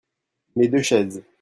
Mes deux chaises.